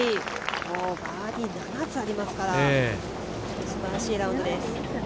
バーディー７つありますから素晴らしいラウンドです。